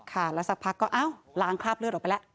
ค่ะแล้วสักพักก็อ้าวล้างคราบเลือดออกไปแล้ว